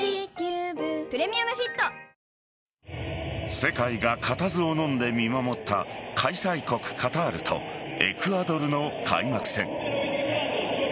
世界が固唾をのんで見守った開催国・カタールとエクアドルの開幕戦。